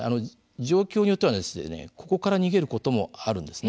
状況によってはここから逃げることもあるんですね。